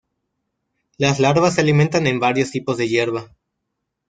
Las larvas se alimentan en varios tipos de hierba.